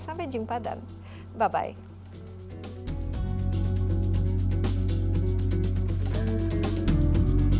sampai jumpa dan bye bye